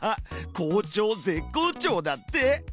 「校長絶好調」だって。